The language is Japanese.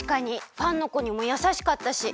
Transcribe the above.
ファンのこにもやさしかったし。